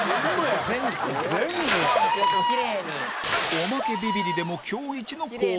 おまけビビリでも今日イチの高音